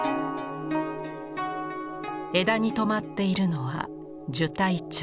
枝に止まっているのは寿帯鳥。